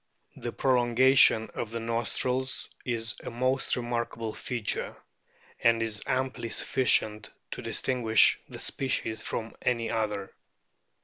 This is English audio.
The prolongation of the nostrils is a most remarkable feature, and is amply sufficient to distinguish the species from any other.